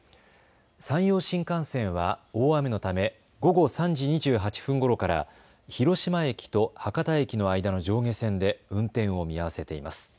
山陽新幹線は大雨のため午後３時２８分ごろから広島駅と博多駅の間の上下線で運転を見合わせています。